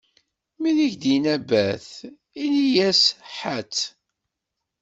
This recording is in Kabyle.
Mi k-d-inna: bat, ini-yas: ḥatt.